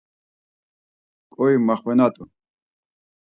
Ǩoi maxvenat̆u.